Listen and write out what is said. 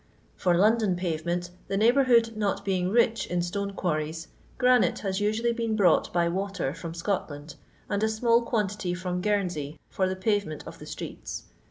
For Loudon pavement, the neighbourhood not being rich in stone quarries, granite has usually been brought by water from Scotland, and a small qoanttly from Guernsey for the pavement of the stnats.